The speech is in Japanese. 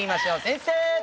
先生！